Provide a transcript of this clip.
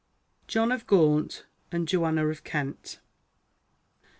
JOHN OF GAUNT AND JOANNA OF KENT.